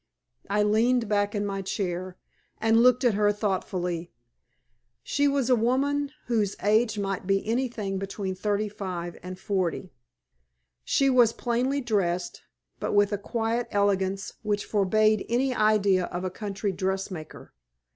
I leaned back in my chair, and looked at her thoughtfully. She was a woman whose age might be anything between thirty five and forty. She was plainly dressed, but with a quiet elegance which forbade any idea of a country dressmaker.